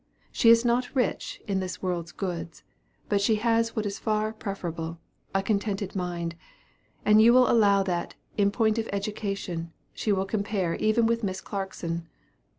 She is not rich in this world's goods; but she has what is far preferable a contented mind; and you will allow that, in point of education, she will compare even with Miss Clarkson."